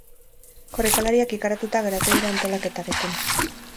Korrikalariak ikaratuta geratu dira antolaketarekin.